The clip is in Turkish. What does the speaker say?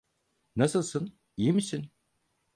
Nasılsın, iyi misin?